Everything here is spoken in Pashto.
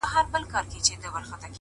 سږ کال مي ولیده لوېدلې وه له زوره ونه٫